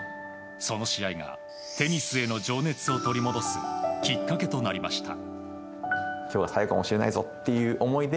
その試合がテニスへの情熱を取り戻すきっかけとなりました。